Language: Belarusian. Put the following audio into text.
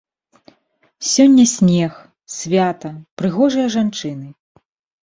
Сёння снег, свята, прыгожыя жанчыны.